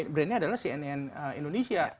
brandnya adalah cnn indonesia